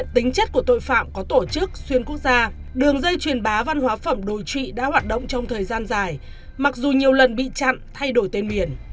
trước xuyên quốc gia đường dây truyền bá văn hóa phẩm đối trị đã hoạt động trong thời gian dài mặc dù nhiều lần bị chặn thay đổi tên miền